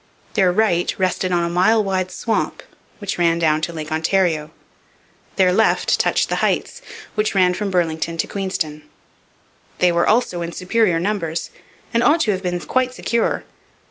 Their right rested on a mile wide swamp, which ran down to Lake Ontario. Their left touched the Heights, which ran from Burlington to Queenston. They were also in superior numbers, and ought to have been quite secure.